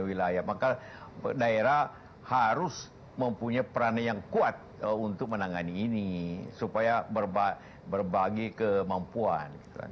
wilayah maka daerah harus mempunyai peran yang kuat untuk menangani ini supaya berbagi kemampuan